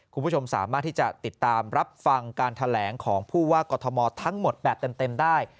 คุณผู้ชมสามารถที่จะติดตามรับฟังการแถลงของผู้ว่ากรทมทั้งหมดแบบเต็มได้